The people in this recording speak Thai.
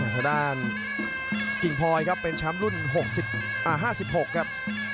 ทะดานกิ่งพลอยเป็นแชมป์รุ่น๕๖ครับ